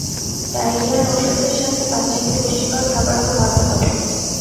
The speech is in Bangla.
ডায়রিয়ার ঔষধের সাথে বাচ্চাকে পুষ্টিকর খাবারও খাওয়াতে হবে।